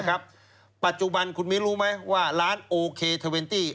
ปัจจุบันคุณมิ้นรู้ไหมว่าร้านโอเคเทอร์เวนตี้